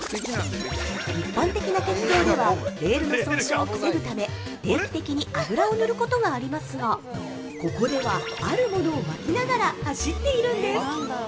一般的な鉄道ではレールの損傷を防ぐため定期的に油を塗ることがありますがここでは、あるものをまきながら走っているんです。